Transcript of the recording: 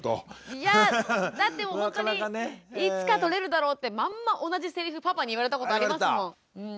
いやだってほんとにいつかとれるだろうってまんま同じセリフパパに言われたことありますもん。